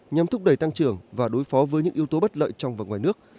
nhằm thúc đẩy tăng trưởng và đối phó với những yếu tố bất lợi trong và ngoài nước